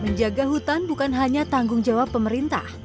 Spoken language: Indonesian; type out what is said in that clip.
menjaga hutan bukan hanya tanggung jawab pemerintah